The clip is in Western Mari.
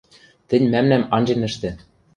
– Тӹнь мӓмнӓм анжен ӹштӹ.